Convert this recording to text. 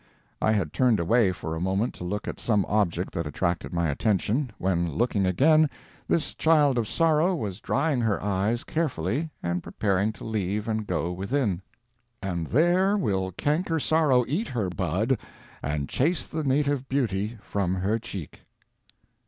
I had turned away for a moment to look at some object that attracted my attention, when looking again, this child of sorrow was drying her eyes carefully and preparing to leave and go within— "And there will canker sorrow eat her bud, And chase the native beauty from her cheek."